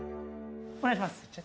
お願いします。